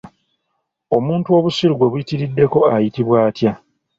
Omuntu obusiru gwe buyitiriddeko ayitibwa atya?